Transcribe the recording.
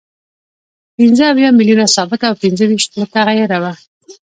پنځه اویا میلیونه ثابته او پنځه ویشت متغیره وه